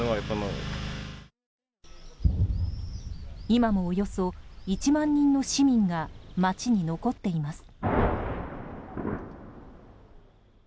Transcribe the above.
今も、およそ１万人の市民が街に残っています。